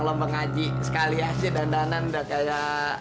sampai jumpa di video selanjutnya